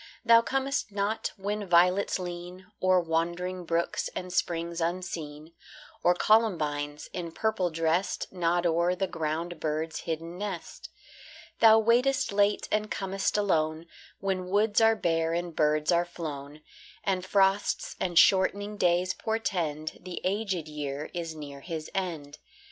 Thou comest not when violets lean O'er wandering brooks and springs unseen, Or columbines, in purple dressed, Nod o'er the ground bird's hidden nest. Thou waitest late and com'st alone, When woods are bare and birds are flown, And frosts and shortening days portend The aged year is near his end.